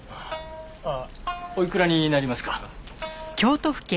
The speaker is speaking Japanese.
ああおいくらになりますか？